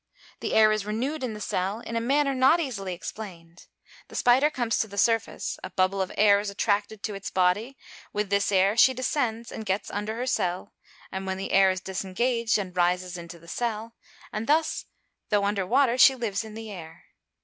The air is renewed in the cell in a manner not easily explained. The spider comes to the surface; a bubble of air is attracted to its body; with this air she descends, and gets under her cell, when the air is disengaged and rises into the cell; and thus, though under water, she lives in the air.